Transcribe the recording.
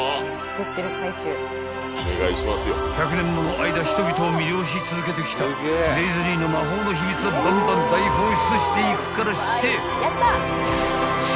［１００年もの間人々を魅了し続けてきたディズニーの魔法の秘密をバンバン大放出していくからして］